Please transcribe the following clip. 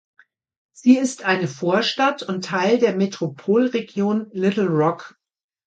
Sie ist eine Vorstadt und Teil der Metropolregion Little Rock.